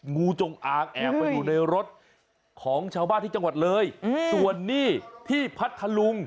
งูจงอางแอบไปอยู่ในรถของชาวบ้านที่จังหวัดเลยส่วนนี้ที่พัทธลุง